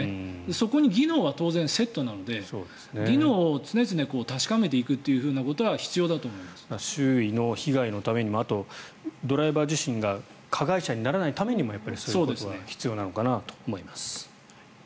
そこに技能は当然セットなので技能を常々確かめていくということは周囲の被害のためにもあとドライバー自身が加害者にならないためにもそういうことは必要なのかなと思います。